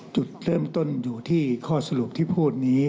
จุดเริ่มต้นอยู่ที่ข้อสรุปที่พูดนี้